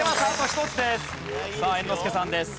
さあ猿之助さんです。